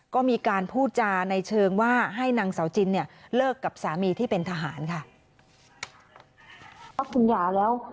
ก็มีการพูดจาในเชิงว่าให้นางสาวจินเนี่ยเลิกกับสามีที่เป็นทหารค่ะ